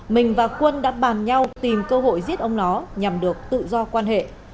mình và quân đã bàn nhau tìm cơ hội giết ông nó nhằm được tự do quan hệ